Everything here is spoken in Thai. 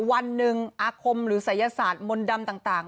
วันหนึ่งอาคมหรือศัยศาสตร์มนต์ดำต่าง